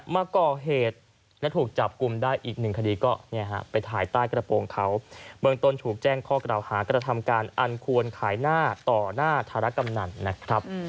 มาก่อเหตุและถูกจับกลุ่มได้อีกหนึ่งคดีก็ไปถ่ายใต้กระโปรงเขาเบื้องต้นถูกแจ้งข้อกล่าวหากระทำการอันควรขายหน้าต่อหน้าธารกำนันนะครับ